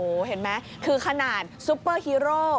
เห็นไหมคือขนาดซุปเปอร์ฮีโร่